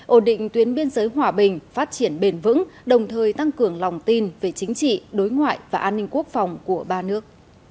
ổn định tuyến biên giới hòa bình phát triển bền vững đồng thời tăng cường lòng tin về chính trị đối ngoại và an ninh quốc phòng của ba nước